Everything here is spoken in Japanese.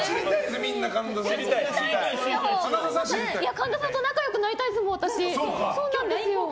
神田さんと仲良くなりたいですもん、私。